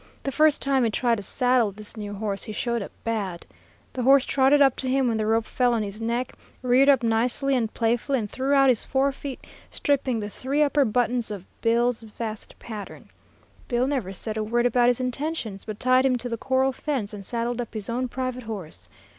The first time he tried to saddle this new horse he showed up bad. The horse trotted up to him when the rope fell on his neck, reared up nicely and playfully, and threw out his forefeet, stripping the three upper buttons off Bill's vest pattern. Bill never said a word about his intentions, but tied him to the corral fence and saddled up his own private horse.